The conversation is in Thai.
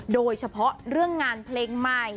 โดยเฉพาะเรื่องงานเพลงใหม่